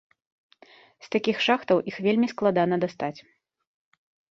З такіх шахтаў іх вельмі складана дастаць.